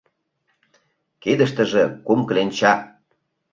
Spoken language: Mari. Кидыштыже кум кленча.